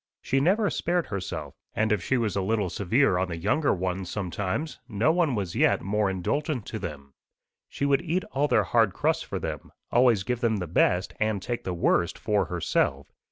She never spared herself; and if she was a little severe on the younger ones sometimes, no one was yet more indulgent to them. She would eat all their hard crusts for them, always give them the best and take the worst for herself.